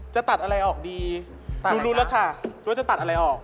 จะตัดอะไรออกดีรู้แล้วค่ะว่าจะตัดอะไรออก